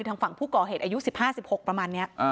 ทางฝั่งผู้ก่อเหตุอายุ๑๕๑๖ประมาณนี้